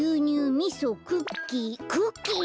みそクッキークッキー？